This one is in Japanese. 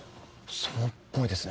そうっぽいですね。